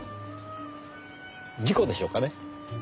事故でしょうかね。